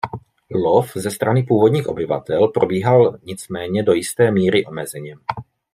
Lov ze strany původních obyvatel probíhal nicméně do jisté míry omezeně.